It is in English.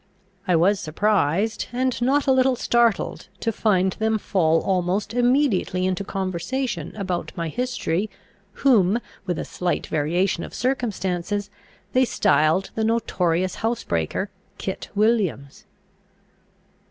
I was surprised, and not a little startled, to find them fall almost immediately into conversation about my history, whom, with a slight variation of circumstances, they styled the notorious housebreaker, Kit Williams.